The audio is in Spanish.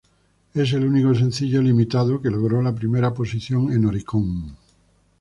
Es el único sencillo limitado que logró la primera posición en Oricon.